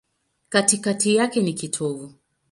Katikati yake ni kitovu.